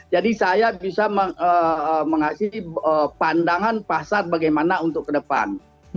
jadi saya bisa mengasihi pandangan pasar bagaimana untuk ke depan